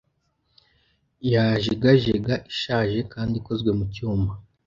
Yajegajega ishaje kandi ikozwe mu cyuma